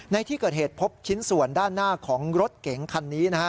ในที่เกิดเหตุพบชิ้นส่วนด้านหน้าของรถเก๋งคันนี้นะฮะ